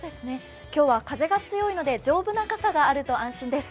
今日は風が強いので丈夫な傘があると安心です。